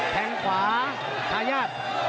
แทงขวาทายาท